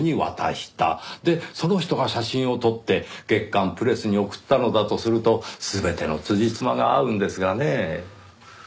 でその人が写真を撮って『月刊プレス』に送ったのだとすると全ての辻褄が合うんですがねぇ。